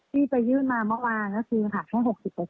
ที่ไปยื่นมาเมื่อวานก็คือหักให้๖๐